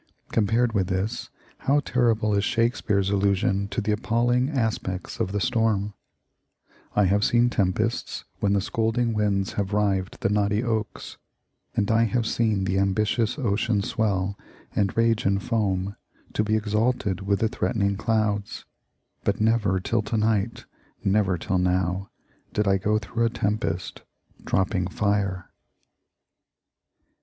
Compared with this, how terrible is Shakespeare's allusion to the appalling aspects of the storm: "I have seen tempests, when the scolding winds Have rived the knotty oaks; and I have seen The ambitious ocean swell, and rage and foam, To be exalted with the threat'ning clouds; But never till to night, never till now, Did I go through a tempest dropping fire."